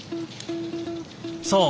そう。